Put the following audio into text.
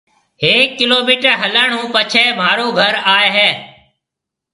هيَڪ ڪِلو ميٽر هلڻ هون پڇيَ مهارو گھر آئي هيَ۔